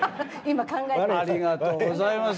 ありがとうございます。